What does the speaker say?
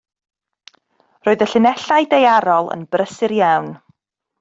Roedd y llinellau daearol yn brysur iawn.